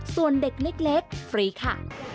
ส่วนเด็กเล็กฟรีค่ะ